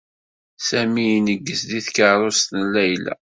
Sami ineggez di tkaṛust n Layla.